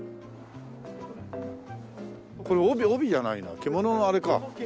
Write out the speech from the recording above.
これ帯帯じゃないな着物のあれか。